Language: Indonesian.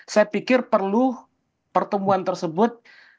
saya pikir perlu pertemuan tersebut